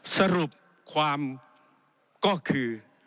สรุปความก็คือ